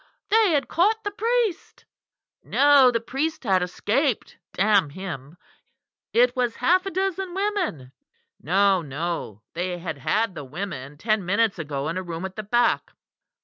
"They had caught the priest! No, the priest had escaped, damn him! It was half a dozen women. No, no! they had had the women ten minutes ago in a room at the back.